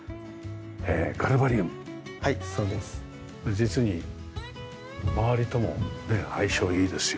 実に周りともね相性いいですよ。